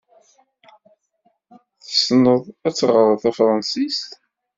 Tessned ad teɣred tafṛensist?